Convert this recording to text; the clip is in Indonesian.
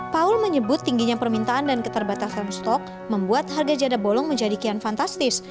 paul menyebut tingginya permintaan dan keterbatasan stok membuat harga jada bolong menjadi kian fantastis